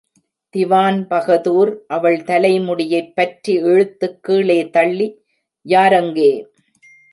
திவான் பகதூர் அவள் தலைமுடியைப்பற்றி இழுத்துக் கீழே தள்ளி யாரங்கே?